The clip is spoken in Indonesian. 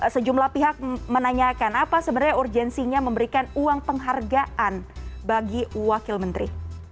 sejumlah pihak menanyakan apa sebenarnya urgensinya memberikan uang penghargaan bagi wakil menteri